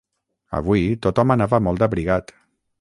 Avui tothom anava molt abrigat.